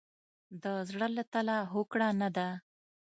د زړه له تله هوکړه نه ده.